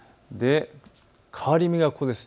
変わり目がここです。